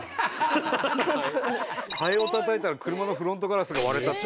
「ハエをたたいたら車のフロントガラスがわれた」って。